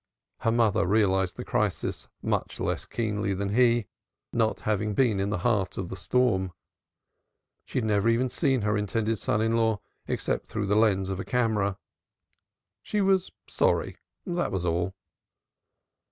Her mother realized the crisis much less keenly than he, not having been in the heart of the storm. She had never even seen her intended son in law except through the lens of a camera. She was sorry that was all.